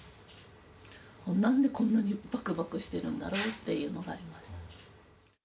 なんでこんなにばくばくしてるんだろうっていうのがありました。